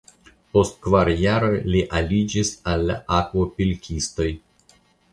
Post kvar jaroj li aliĝis al la akvopilkistoj.